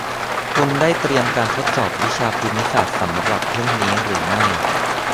คุณได้เตรียมการทดสอบวิชาภูมิศาสตร์สำหรับพรุ่งนี้หรือไม่